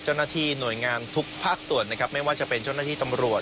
เจ้าหน้าที่หน่วยงานทุกภาคส่วนนะครับไม่ว่าจะเป็นเจ้าหน้าที่ตำรวจ